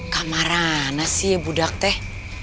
kamarana sih ya budak teh